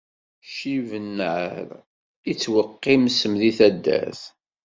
Ccib nnaṛ, ittewqim ssem di taddart.